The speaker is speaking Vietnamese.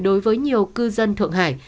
đối với nhiều cư dân thượng hải